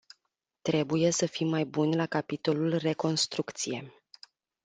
Trebuie să fim mai buni la capitolul reconstrucție.